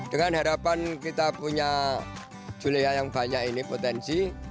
dengan harapan kita punya julia yang banyak ini potensi